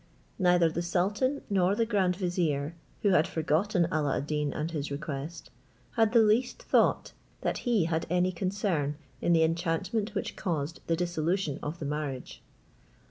Neither the sultan nor the grand vizier, who had forgotten Alla ad Deen and his request, had the least thought that he had any concern in the enchantment which caused the dissolution of the marriage.